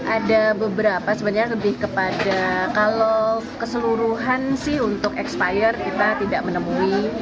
ada beberapa sebenarnya lebih kepada kalau keseluruhan sih untuk expired kita tidak menemui